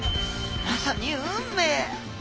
まさに運命！